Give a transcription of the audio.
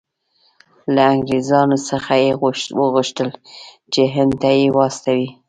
له انګریزانو څخه یې وغوښتل چې هند ته یې واستوي.